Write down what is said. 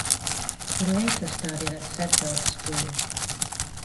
He later studied at Sedbergh School.